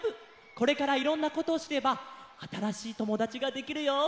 これからいろんなことをしればあたらしいともだちができるよ。